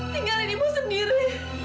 tinggalin ibu sendiri